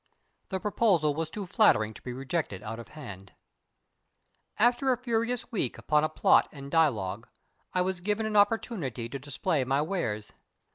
The proposal was too flattering to be rejected out of hand. After a furious week upon a plot and dialogue, I was given an opportunity to display my wares.